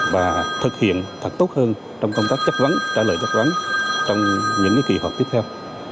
và thực hiện thật tốt hơn trong công tác chất vấn trả lời chất vấn trong những kỳ họp tiếp theo